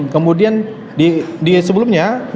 kemudian di sebelumnya